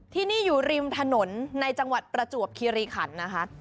ที่นี่ริมถนนในจังหวัดประจวบคิรีขันต์